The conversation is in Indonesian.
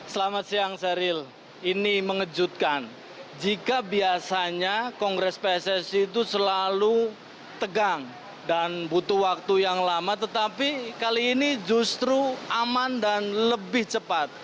selamat siang seril ini mengejutkan jika biasanya kongres pssi itu selalu tegang dan butuh waktu yang lama tetapi kali ini justru aman dan lebih cepat